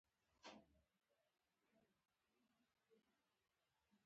دا پېښه د دوه زره یولسم کال د فبرورۍ په یوولسمه وشوه.